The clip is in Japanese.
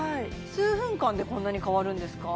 数分間でこんなに変わるんですか？